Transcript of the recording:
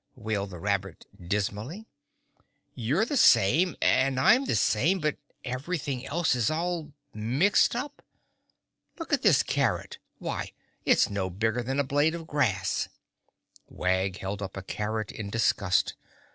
wailed the rabbit dismally. "You're the same and I'm the same but everything else is all mixed up. Look at this carrot. Why, it's no bigger than a blade of grass." Wag held up a carrot in disgust.